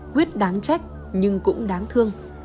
quyết đáng trách nhưng cũng đáng thương